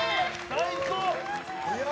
最高。